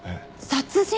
殺人！？